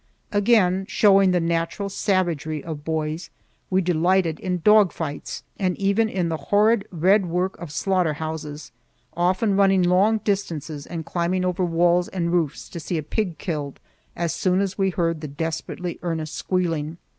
Again—showing the natural savagery of boys—we delighted in dog fights, and even in the horrid red work of slaughter houses, often running long distances and climbing over walls and roofs to see a pig killed, as soon as we heard the desperately earnest squealing.